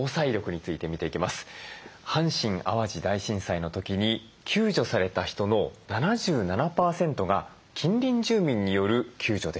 阪神・淡路大震災の時に救助された人の７７％が近隣住民による救助でした。